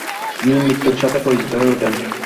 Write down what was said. তিনি মৃত্যুর সাথে পরিচিত হয়ে ওঠেন।